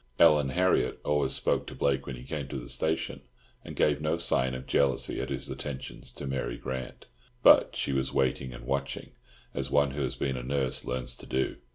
Ellen Harriott always spoke to Blake when he came to the station, and gave no sign of jealousy at his attentions to Mary Grant; but she was waiting and watching, as one who has been a nurse learns to do.